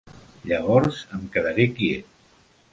Llavors em quedaré quiet.